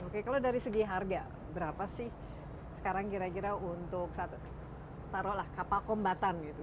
oke kalau dari segi harga berapa sih sekarang kira kira untuk satu taruhlah kapal kombatan gitu